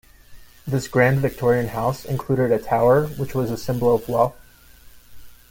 This grand Victorian house included a tower, which was a symbol of wealth.